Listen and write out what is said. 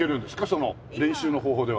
その練習の方法では。